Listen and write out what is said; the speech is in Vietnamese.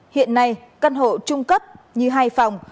hiện nay căn hộ trung cấp như hai phòng